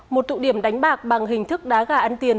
một tụ điểm đánh bạc bằng hình thức đá gà ăn tiền